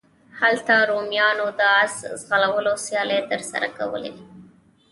هلته رومیانو د اس ځغلولو سیالۍ ترسره کولې.